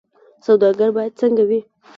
سوداګر باید څنګه وي؟